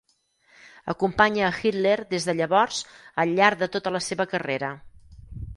Acompanya a Hitler des de llavors al llarg de tota la seva carrera.